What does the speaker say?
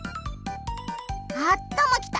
あったまきた！